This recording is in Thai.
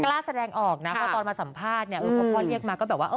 กล้าแสดงออกนะคะตอนมาสัมภาษณ์พวกเขาเรียกมาก็แบบว่า